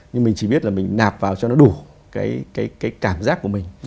nhưng mình chỉ biết là mình nạp vào cho nó đủ cái cảm giác của mình